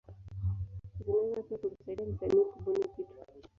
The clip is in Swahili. Zinaweza pia kumsaidia msanii kubuni kitu.